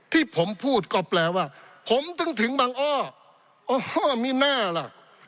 ที่ผมพูดก็แปลว่าผมถึงถึงบังอ้อโอ้โฮมีแน่ล่ะ